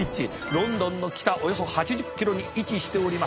ロンドンの北およそ８０キロに位置しております。